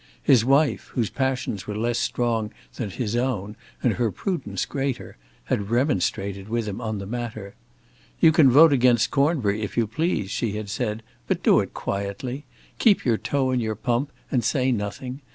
His wife, whose passions were less strong than his own and her prudence greater, had remonstrated with him on the matter. "You can vote against Cornbury, if you please," she had said, "but do it quietly. Keep your toe in your pump and say nothing.